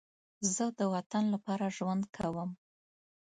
زه د وطن لپاره ژوند کوم